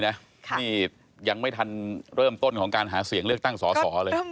นี่ยังไม่ทันเริ่มต้นของการหาเสียงเลือกตั้งสอสอเลย